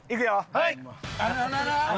はい。